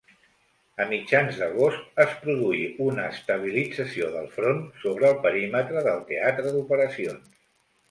A mitjans d'agost es produí una estabilització del front sobre el perímetre del teatre d'operacions.